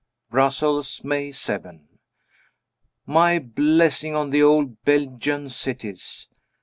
Brussels, May 7. My blessing on the old Belgian cities.